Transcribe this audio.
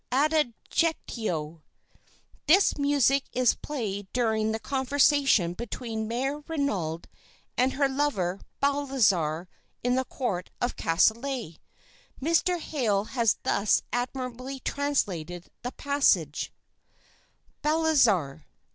ADAGIETTO This music is played during the conversation between Mère Renaud and her lover Balthazar in the Court of Castelet. Mr. Hale has thus admirably translated the passage: "BALTHAZAR.